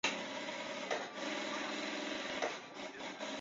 近优越虎耳草为虎耳草科虎耳草属下的一个种。